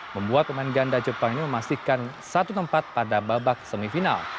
membuat pemain ganda jepang ini memastikan satu tempat pada babak semifinal